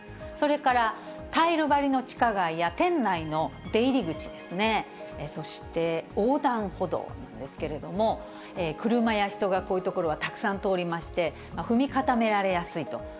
それからタイル張りの地下街や店内の出入り口ですね、そして横断歩道なんですけれども、車や人がこういう所はたくさん通りまして、踏み固められやすいと。